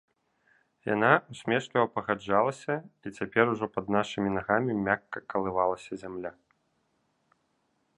Яна ўсмешліва пагаджалася, і цяпер ужо пад нашымі нагамі мякка калывалася зямля.